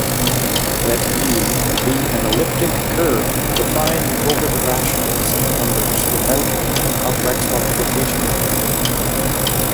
Let "E" be an elliptic curve defined over the rationals numbers without complex multiplication.